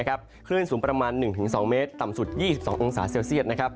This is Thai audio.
คลื่นสูงประมาณ๑๒เมตรต่ำสุด๒๒องศาเซลเซียต